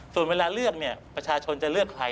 ส่วนเวลาเลือกเนี่ยประชาชนจะเลือกใคร